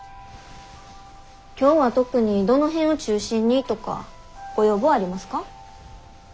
今日は特にどの辺を中心にとかご要望ありますか？